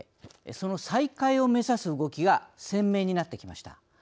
その再開を目指す動きが鮮明になってきました。